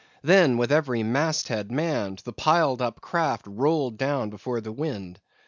Then, with every mast head manned, the piled up craft rolled down before the wind.